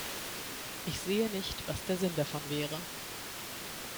Ich sehe nicht, was der Sinn davon wäre.